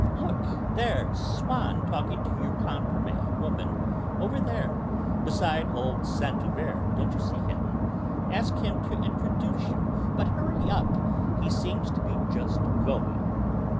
"Look, there's Swann talking to your Cambremer woman; over there, beside old Saint Euverte, don't you see him? Ask him to introduce you. But hurry up, he seems to be just going!"